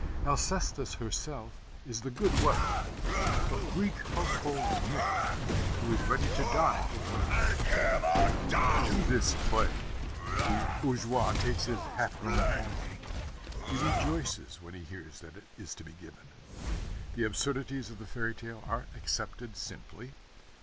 Alcestis herself is the good wife of Greek household myth, who is ready to die for her husband. To this play the bourgeois takes his half grown family. He rejoices when he hears that it is to be given. The absurdities of the fairy tale are accepted simply.